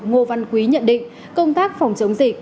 ngô văn quý nhận định công tác phòng chống dịch